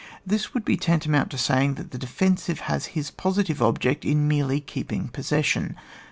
This would be tantamount to saying that the defensive has his posi tive object in merely keeping possession.